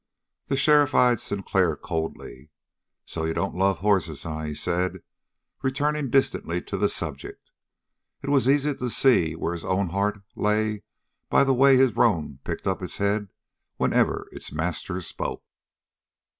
The sheriff eyed Sinclair coldly. "So you don't love hosses, eh?" he said, returning distantly to the subject. It was easy to see where his own heart lay by the way his roan picked up its head whenever its master spoke.